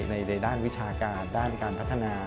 ในด้านวิชาการด้านการพัฒนา